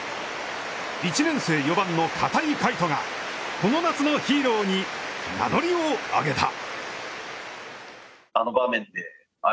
１年生、４番の片井海斗がこの夏のヒーローに名乗りを上げた。